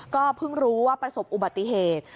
ก็เพิ่งรู้ว่าประสบอุบัติเหตุ